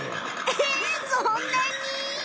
えそんなに！